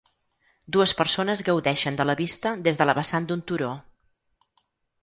Dues persones gaudeixen de la vista des de la vessant d'un turó.